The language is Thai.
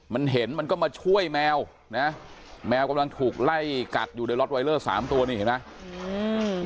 มันเห็นมันก็มาช่วยแมวนะแมวกำลังถูกไล่กัดอยู่ในรถไวเลอร์สามตัวนี่เห็นไหม